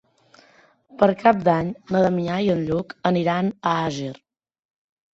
Per Cap d'Any na Damià i en Lluc aniran a Àger.